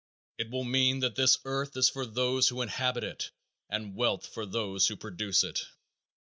It will mean that this earth is for those who inhabit it and wealth for those who produce it.